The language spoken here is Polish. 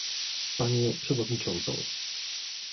Panie przewodniczącą